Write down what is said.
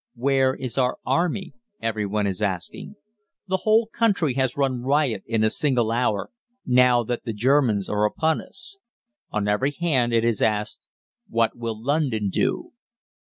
"'Where is our Army?' every one is asking. The whole country has run riot in a single hour, now that the Germans are upon us. On every hand it is asked: 'What will London do?'"